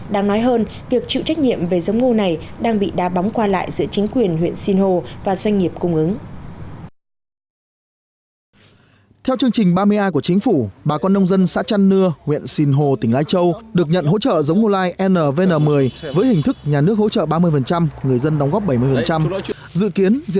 đáng nói hơn việc chịu trách nhiệm về giống ngô này đang bị đá bóng qua lại giữa chính quyền huyện sinh hồ và doanh nghiệp cung ứng